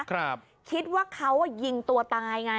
คิดว่าเขาอ่ะยิงตัวตายไง